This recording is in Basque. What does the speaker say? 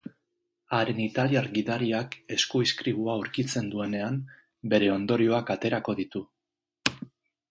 Haren italiar gidariak eskuizkribua aurkitzen duenean, bere ondorioak aterako ditu.